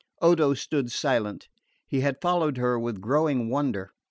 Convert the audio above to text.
Odo stood silent. He had followed her with growing wonder.